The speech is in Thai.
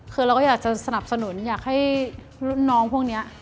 คือเราก็อยากจะสนับสนุนอยากให้รุ่นน้องพวกนี้